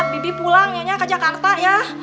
bibi pulang nyonya ke jakarta ya